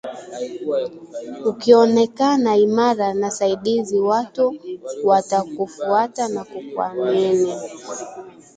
ukionekana imara na saidizi watu watakufuata na kukuamini